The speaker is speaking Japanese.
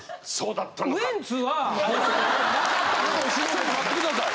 ちょっと待って下さい！